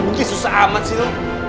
bukin susah amat sih lu